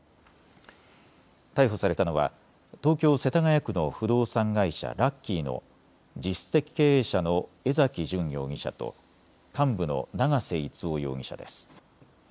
逮捕されたのは東京世田谷区の不動産会社、ラッキーの実質的経営者の江崎純容疑者と幹部の長せ一生容疑者です。